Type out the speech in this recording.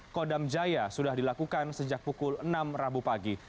kodam jaya sudah dilakukan sejak pukul enam rabu pagi